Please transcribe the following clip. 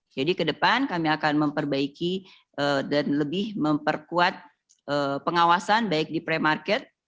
jadi ke depan kami akan memperbaiki dan lebih memperkuat pengawasan baik di pre market